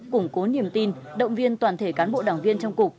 củng cố niềm tin động viên toàn thể cán bộ đảng viên trong cục